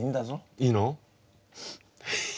いいの？